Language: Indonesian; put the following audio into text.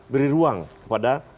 beri ruang kepada